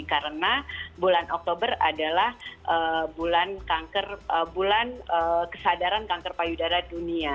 karena bulan oktober adalah bulan kesadaran kanker payudara dunia